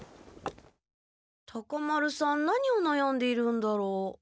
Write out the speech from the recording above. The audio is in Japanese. タカ丸さん何をなやんでいるんだろう？